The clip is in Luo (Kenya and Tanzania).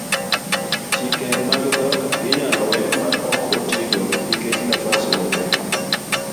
chike mag dhok inyalo we ma ok otigo nikech nafas ong'e